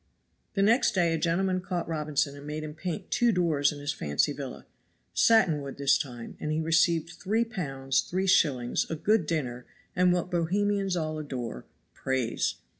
The next day a gentleman caught Robinson and made him paint two doors in his fancy villa. Satin wood this time; and he received three pounds three shillings, a good dinner, and what Bohemians all adore Praise.